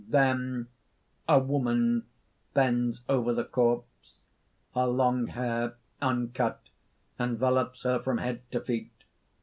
_ Then ) A WOMAN (_bends over the corpse. Her long hair, uncut, envelopes her from head to feet.